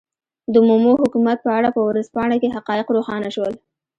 د مومو حکومت په اړه په ورځپاڼه کې حقایق روښانه شول.